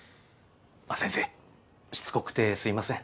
先生しつこくてすいません。